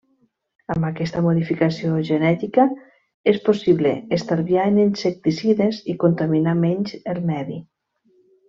Amb aquesta modificació genètica és possible estalviar en insecticides i contaminar menys el medi.